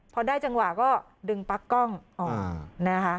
พอได้จังหวะก็ดึงปั๊กกล้องออกนะคะ